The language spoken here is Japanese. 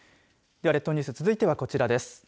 では、列島ニュース続いては、こちらです。